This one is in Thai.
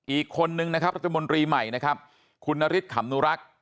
อีกคนนึงนะครับรัฐมนตรีใหม่นะครับคุณนฤทธิขำนุรักษ์